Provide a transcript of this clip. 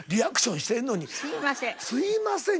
すいません。